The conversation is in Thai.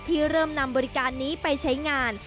ที่เริ่มนำบริการนี้ไปใช้งาน